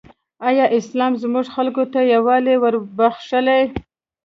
ایا اسلام زموږ خلکو ته یووالی وروباخښلی؟